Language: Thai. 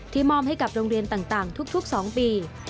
ที่มอมให้กับโรงเรียนต่างทุกสองปี